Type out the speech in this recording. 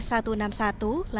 lalu gerbang tol papangkota